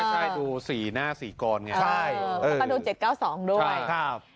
ใช่ใช่ดูสี่หน้าสี่กรอนไงใช่เอาไปดูเจ็ดเก้าสองด้วยใช่